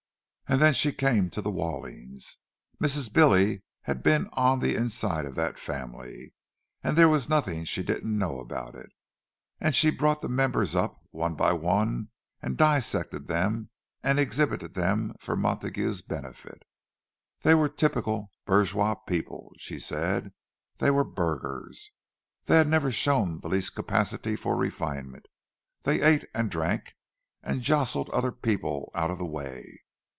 And then she came to the Wallings. Mrs. Billy had been in on the inside of that family, and there was nothing she didn't know about it; and she brought the members up, one by one, and dissected them, and exhibited them for Montague's benefit. They were typical bourgeois people, she said. They were burghers. They had never shown the least capacity for refinement—they ate and drank, and jostled other people out of the way.